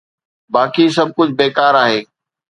باقي سڀ ڪجهه بيڪار آهي.